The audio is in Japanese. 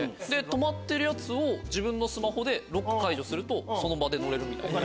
止まってるやつを自分のスマホでロック解除するとその場で乗れるみたいな。